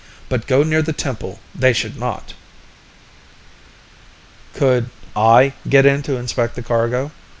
But go near the temple they should not! "Could I get in to inspect the cargo?"